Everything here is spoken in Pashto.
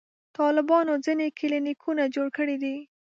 طالبانو ځینې کلینیکونه جوړ کړي دي.